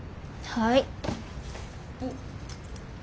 はい。